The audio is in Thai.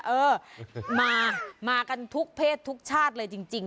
เออมามากันทุกเพศทุกชาติเลยจริง